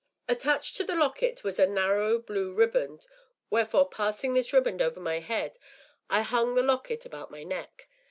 Attached to the locket was a narrow blue riband, wherefore, passing this riband over my head, I hung the locket about my neck.